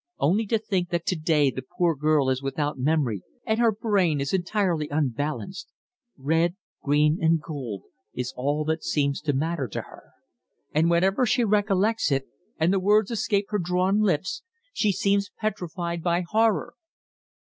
Only to think that to day the poor girl is without memory, and her brain is entirely unbalanced. 'Red, green and gold' is all that seems to matter to her. And whenever she recollects it and the words escape her drawn lips she seems petrified by horror."